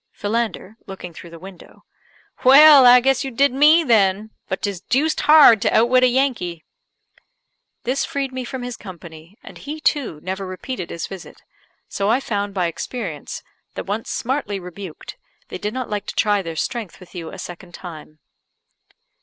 Philander (looking through the window ): "Well, I guess you did me then; but 'tis deuced hard to outwit a Yankee." This freed me from his company, and he, too, never repeated his visit; so I found by experience, that once smartly rebuked, they did not like to try their strength with you a second time.